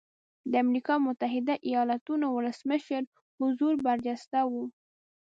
د امریکا متحده ایالتونو ولسمشر حضور برجسته و.